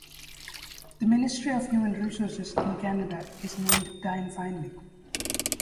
The Minister of Human Resources in Canada is named Diane Finely.